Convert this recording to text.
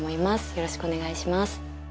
よろしくお願いします。